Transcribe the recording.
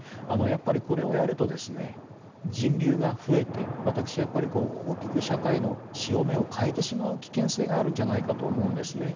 これをやると人流が増えて私、やっぱり大きく社会の潮目を変えてしまう危険性があるんじゃないかと思うんですね。